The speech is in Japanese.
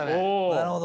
なるほど！